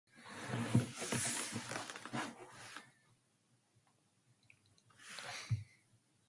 The title track was featured in the "Bones" episode The Titan on the Tracks.